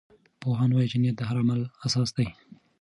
پوهان وایي چې نیت د هر عمل اساس دی.